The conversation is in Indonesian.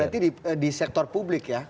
berarti di sektor publik ya